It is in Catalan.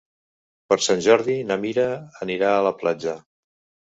Per Sant Jordi na Mira anirà a la platja.